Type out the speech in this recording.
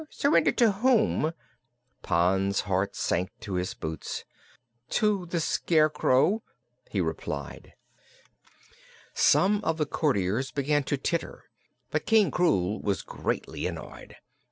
Surrender to whom?" Pon's heart sank to his boots. "To the Scarecrow," he replied. Some of the courtiers began to titter, but King Krewl was greatly annoyed.